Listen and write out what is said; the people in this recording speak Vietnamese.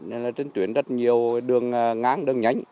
nên là trên tuyến rất nhiều đường ngang đường nhánh